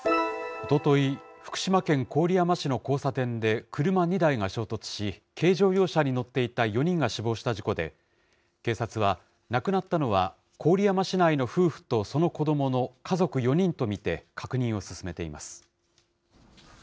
おととい、福島県郡山市の交差点で車２台が衝突し、軽乗用車に乗っていた４人が死亡した事故で、警察は亡くなったのは郡山市内の夫婦とその子どもの家族４人と見て、確認を進めています。